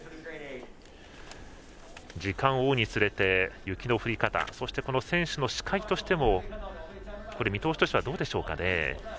時間を追うにつれて雪の降り方そして、この選手の視界としても見通しとしてはどうでしょう。